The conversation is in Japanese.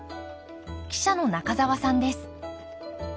記者の仲澤さんです。